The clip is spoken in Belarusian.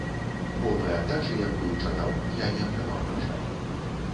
Поўнай аддачы, якую чакаў, я не атрымаў, на жаль.